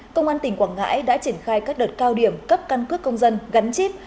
công an tỉnh quảng ngãi đã triển khai các đợt cao điểm cấp căn cước công dân gắn chip